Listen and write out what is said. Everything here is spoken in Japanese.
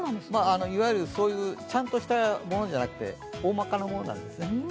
いわゆる、ちゃんとしたものじゃなくて、大まかなものなんですね。